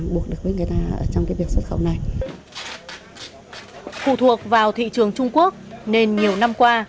phụ thuộc vào thị trường trung quốc nên nhiều năm qua